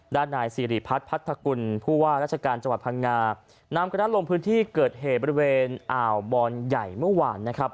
นายสิริพัฒน์พัทธกุลผู้ว่าราชการจังหวัดพังงานำคณะลงพื้นที่เกิดเหตุบริเวณอ่าวบอนใหญ่เมื่อวานนะครับ